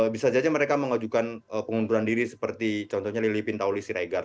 bisa saja mereka mengajukan pengunduran diri seperti contohnya lili pintauli siregar